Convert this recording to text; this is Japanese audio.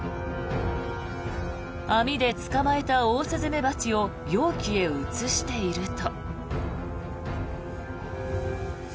網で捕まえたオオスズメバチを容器へ移していると。